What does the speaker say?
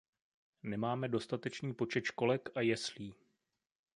Nemáme dostatečný počet školek a jeslí.